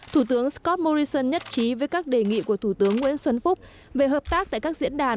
thủ tướng scott morrison nhất trí với các đề nghị của thủ tướng nguyễn xuân phúc về hợp tác tại các diễn đàn